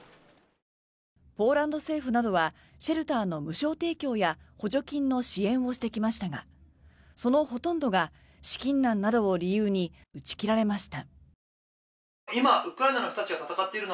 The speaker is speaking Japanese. ポーランド政府などはシェルターの無償提供や補助金の支援をしてきましたがそのほとんどが資金難などを理由に打ち切られました。